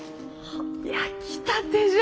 あ焼きたてじゃ！